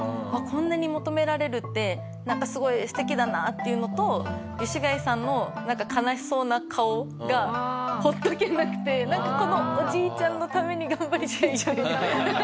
こんなに求められるってすごい素敵だなっていうのと吉開さんの悲しそうな顔がほっとけなくてなんかこのおじいちゃんのために頑張りたいっていう。